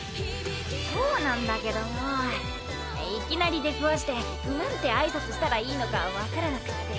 そうなんだけどよういきなり出くわしてなんて挨拶したらいいのかわからなくって。